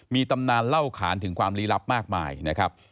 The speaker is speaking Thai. มีตำนานเล่าขานถึงความลี้ลับมากมายนะครับ